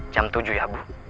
jam tujuh ya bu